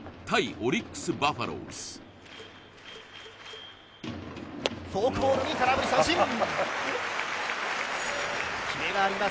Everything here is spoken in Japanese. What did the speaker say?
オリックス・バファローズフォークボールに空振り三振キレがあります